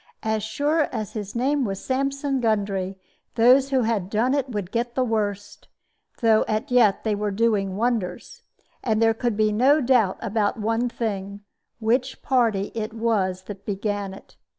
As sure as his name was Sampson Gundry, those who had done it would get the worst, though as yet they were doing wonders. And there could be no doubt about one thing which party it was that began it.